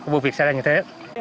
vụ việc xảy ra như thế